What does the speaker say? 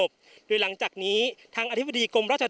พร้อมด้วยผลตำรวจเอกนรัฐสวิตนันอธิบดีกรมราชทัน